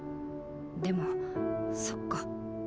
でもそっか。